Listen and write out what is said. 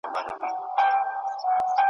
تا په تور او سپین جادو قرنونه غولولي وو `